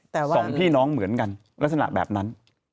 แต่ว่าสองพี่น้องเหมือนกันลักษณะแบบนั้น